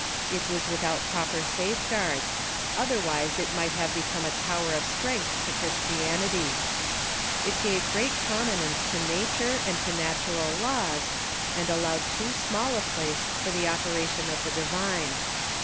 It was without proper safeguards ; otherwise it might have become a tower of strength to Chris 308 THE MODERN CHUKCH tianity. It gave great prominence to nature and to natural laws, and allowed too small a place for the operation of the divine.